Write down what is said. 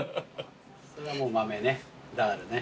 それは豆ねダールね。